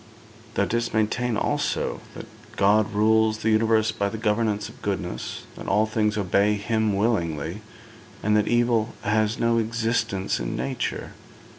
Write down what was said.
Thou didst maintain, also, that God rules the universe by the governance of goodness, that all things obey Him willingly, and that evil has no existence in nature.